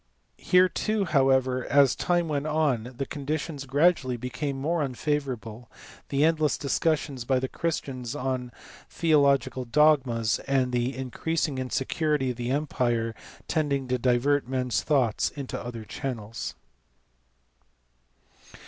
Here too, how ever, as time went on the conditions gradually became more unfavourable, the endless discussions by the Christians on theological dogmas and the increasing insecurity of the empire tending to divert men s thoughts into other channels.